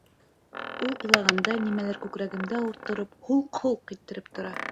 Ул илағанда, нимәлер күкрәгемде ауырттырып, һулҡ-һулҡ иттереп тора.